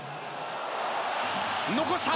残した！